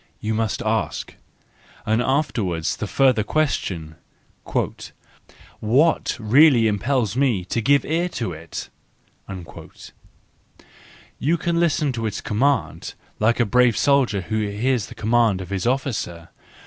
you must ask, and after¬ wards the further question :" what really impels me to give ear to it ?" You can listen to its command like a brave soldier who hears the command of his officer.